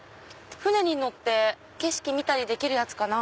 舟に乗って景色見たりできるやつかな？